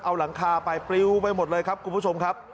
เอาหลังคาไปปลิวไปหมดเลยครับคุณผู้ชมครับ